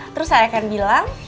terus saya akan bilang